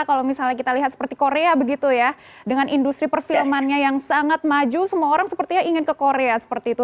kalau misalnya kita lihat seperti korea begitu ya dengan industri perfilmannya yang sangat maju semua orang sepertinya ingin ke korea seperti itu